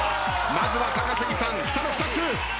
まずは高杉さん下の２つ。